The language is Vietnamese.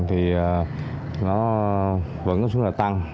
thì nó vẫn xuống là tăng